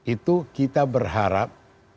itu kita berharap